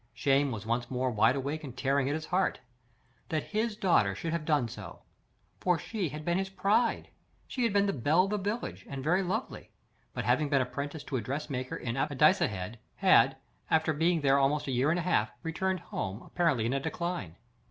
Shame was once more wide awake and tearing at his heart. That HIS daughter should have done so! For she had been his pride. She had been the belle of the village, and very lovely; but having been apprenticed to a dressmaker in Addicehead, had, after being there about a year and a half, returned home, apparently in a decline.